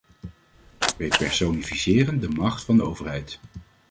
Wie personifiëren de macht van de overheid?